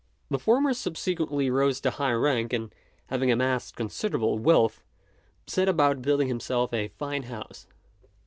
The former subsequently rose to high rank; and having amassed considerable wealth, set about building himself a fine house.